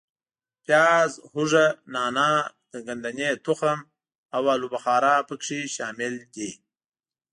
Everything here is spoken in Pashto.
پیاز، هوګه، نانا، د ګدنې تخم او آلو بخارا په کې شامل دي.